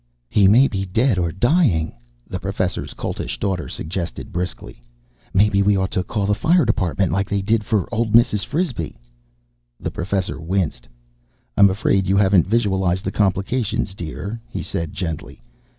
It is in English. _" "He may be dead or dying," the Professor's Coltish Daughter suggested briskly. "Maybe we ought to call the Fire Department, like they did for old Mrs. Frisbee." The Professor winced. "I'm afraid you haven't visualized the complications, dear," he said gently.